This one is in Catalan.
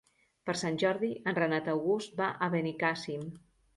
Per Sant Jordi en Renat August va a Benicàssim.